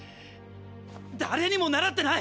誰にも習ってない！